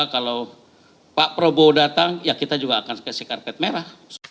kalau pak prabowo datang ya kita juga akan kasih karpet merah